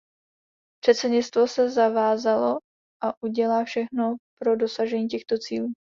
Předsednictvo se zavázalo a udělá všechno pro dosažení těchto cílů.